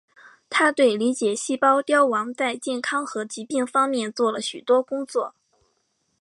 他对理解细胞凋亡在健康和疾病方面做了许多工作。